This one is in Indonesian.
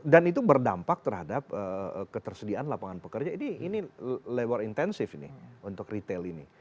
dan itu berdampak terhadap ketersediaan lapangan pekerja ini labor intensive ini untuk retail ini